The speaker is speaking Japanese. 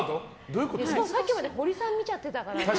さっきまでホリさん見ちゃってたからな。